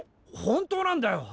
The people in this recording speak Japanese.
本当なんだよ！